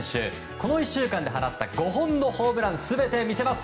この１週間で放った５本のホームラン全て見せます！